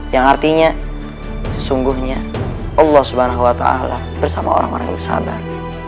yang artinya sesungguhnya allah swt bersama orang orang yang bersabar